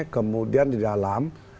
kemudian di dalam